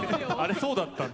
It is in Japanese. そうだったんだ。